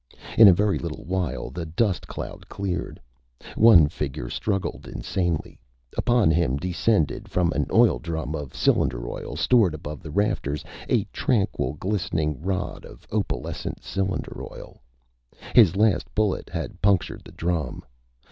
In a very little while the dust cloud cleared. One figure struggled insanely. Upon him descended from an oil drum of cylinder oil stored above the rafters a tranquil, glistening rod of opalescent cylinder oil. His last bullet had punctured the drum.